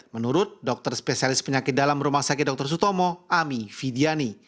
menurut dokter spesialis penyakit dalam rumah sakit dr sutomo ami fidiani